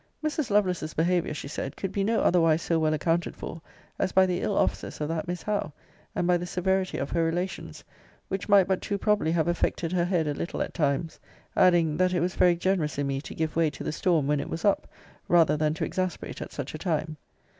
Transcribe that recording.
Mrs. Lovelace's behaviour, she said, could be no otherwise so well accounted for, as by the ill offices of that Miss Howe; and by the severity of her relations; which might but too probably have affected her head a little at times: adding, that it was very generous in me to give way to the storm when it was up, rather than to exasperate at such a time.